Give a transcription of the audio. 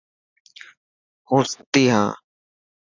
هون ستي هان.